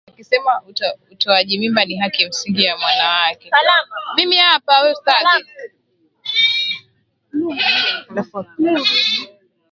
akisema utoaji mimba ni haki msingi ya mwanamke